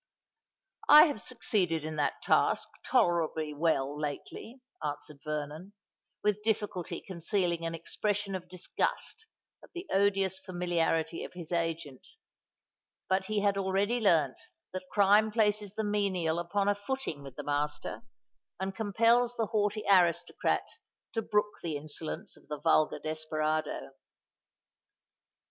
"I have succeeded in that task tolerably well lately," answered Vernon, with difficulty concealing an expression of disgust at the odious familiarity of his agent; but he had already learnt that crime places the menial upon a footing with the master, and compels the haughty aristocrat to brook the insolence of the vulgar desperado.